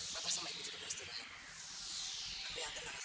bapak sama ibu juga harus istirahat